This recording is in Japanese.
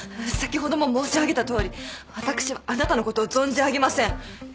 先ほども申し上げたとおり私はあなたのことを存じ上げません。